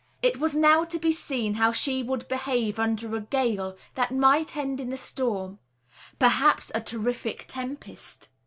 It was now to be seen how she would behave under a gale that might end in a storm, perhaps a terrific tempest.